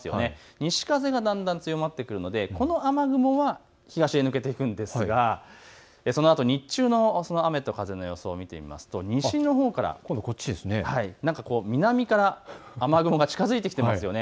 西風がだんだん強まってくるのでこの雨雲が東へ抜けていくんですが、そのあと日中の雨と風の予想を見てみますと南から雨雲が近づいてきてますよね。